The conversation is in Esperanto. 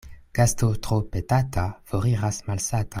Gasto tro petata foriras malsata.